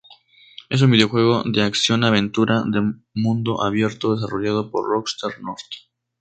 Es un videojuego de acción-aventura de mundo abierto desarrollado por Rockstar North.